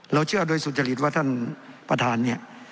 เชื่อโดยสุจริตว่าท่านประธานเนี่ย